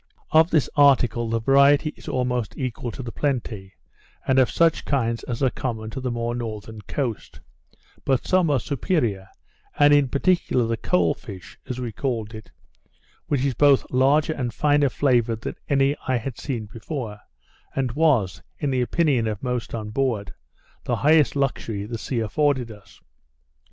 Of this article the variety is almost equal to the plenty, and of such kinds as are common to the more northern coast; but some are superior, and in particular the cole fish, as we called it, which is both larger and finer flavoured than any I had seen before, and was, in the opinion of most on board, the highest luxury the sea afforded us.